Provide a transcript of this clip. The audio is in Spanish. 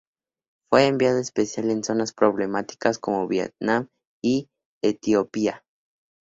Fue enviado especial en zonas problemáticas como Vietnam y Etiopía.